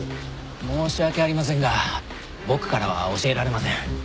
申し訳ありませんが僕からは教えられません。